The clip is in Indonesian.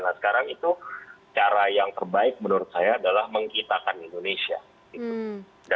nah sekarang itu cara yang terbaik menurut saya adalah mengkitakan indonesia